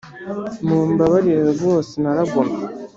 Mumbabarire rwose naragomye